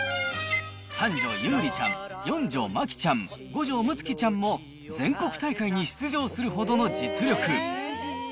三女、ユウリちゃん、四女、マキちゃん、五女、ムツキちゃんも全国大会に出場するほどの実力。